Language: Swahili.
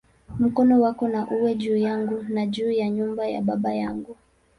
Mkono wako na uwe juu yangu, na juu ya nyumba ya baba yangu"!